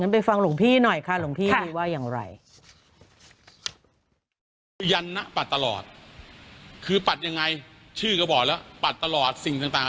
ไปฟังหลวงพี่หน่อยค่ะหลวงพี่ว่าอย่างไร